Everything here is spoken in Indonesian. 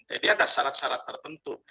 ada syarat syarat tertentu